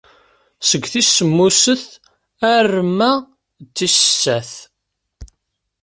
Seg tis semmuset arma d tis sat.